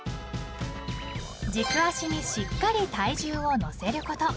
［軸足にしっかり体重を乗せること］